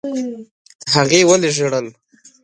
هغې ولي ژړل؟